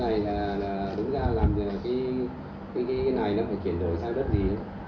cái này là đúng ra làm gì là cái này nó phải chuyển đổi sang đất gì